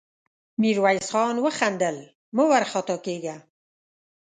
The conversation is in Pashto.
ميرويس خان وخندل: مه وارخطا کېږه!